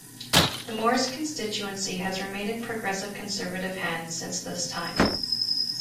The Morris constituency has remained in Progressive Conservative hands since this time.